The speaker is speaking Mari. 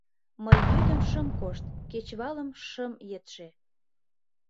Мый йӱдым шым кошт, кечывалым шым етше